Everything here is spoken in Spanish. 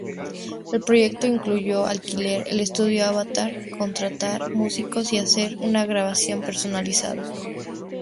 El proyecto incluyó alquilar el estudio Avatar, contratar músicos y hacer una grabación personalizada.